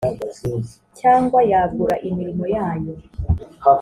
cyangwa yagura imirimo yayo